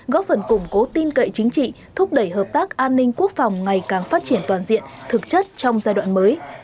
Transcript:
góp phần củng cố tin cậy chính trị thúc đẩy hợp tác an ninh quốc phòng ngày càng phát triển toàn diện thực chất trong giai đoạn mới